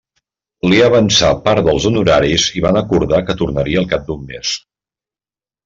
Li avançà part dels honoraris i van acordar que tornaria al cap d'un mes.